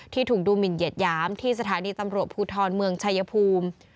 ถูกดูหมินเหยียดหยามที่สถานีตำรวจภูทรเมืองชายภูมิ